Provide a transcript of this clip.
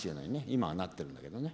今はなってるんだけどね。